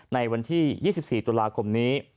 ในวันที่๒๔ตุลาคมนี้